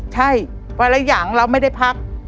ใช่วันละอย่างเราไม่ได้พัก